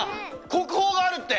国宝があるって！